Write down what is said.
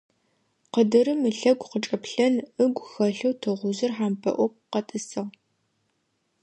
Къыдырым ылъэгу къычӀэплъэн ыгу хэлъэу тыгъужъыр хьампӀэloy къэтӀысыгъ.